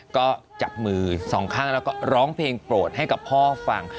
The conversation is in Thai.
ก็จับมือสองข้างแล้วก็ร้องเพลงโปรดให้กับพ่อฟัง